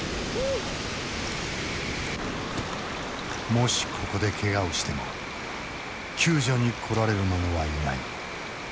もしここでケガをしても救助に来られる者はいない。